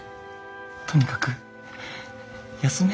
とにかく休め。